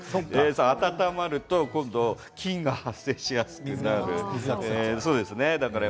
温まると今度菌が発生しやすくなります。